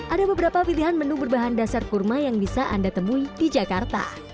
ada beberapa pilihan menu berbahan dasar kurma yang bisa anda temui di jakarta